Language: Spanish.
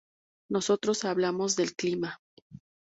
Nosotros hablamos del clima.